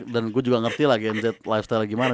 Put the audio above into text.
dan gue juga ngerti lah gnz lifestyle gimana